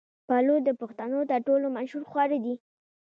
پلو د پښتنو تر ټولو مشهور خواړه دي.